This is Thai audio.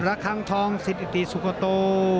ระคังทองสิทธิสุฆาตู